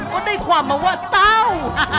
ก็ได้ความมาว่าเต้า